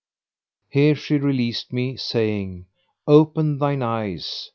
[FN#530] Here she released me, saying, "Open thine eyes."